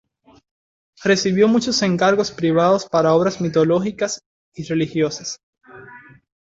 Recibió muchos encargos privados para obras mitológicas y religiosas.